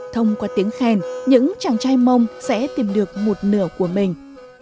thông qua tiếng khen những chàng trai mông sẽ tìm được một nửa của mình